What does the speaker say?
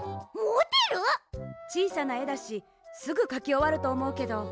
ちいさなえだしすぐかきおわるとおもうけど。